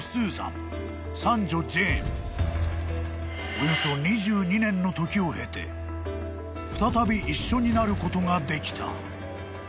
［およそ２２年の時を経て再び一緒になることができた］